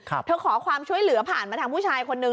เธอขอความช่วยเหลือผ่านมาทางผู้ชายคนนึง